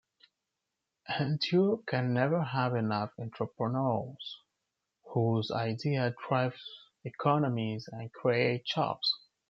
And Europe can never have enough entrepreneurs, whose ideas drive economies and create jobs.